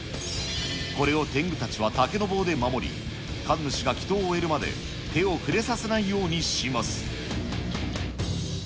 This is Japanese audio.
これを天狗たちは竹の棒で守り、神主が祈とうを終えるまで手を触れさせないようにします。